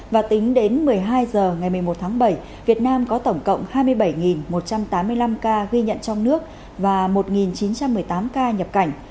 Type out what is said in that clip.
và tính đến một mươi hai h ngày một mươi một tháng bảy việt nam có tổng cộng hai mươi bảy một trăm tám mươi năm ca ghi nhận trong nước và một chín trăm một mươi tám ca nhập cảnh